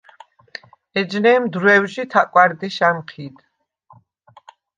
ეჯნემ დრო̈ვჟი თა̈კვა̈რ დეშ ა̈მჴიდ.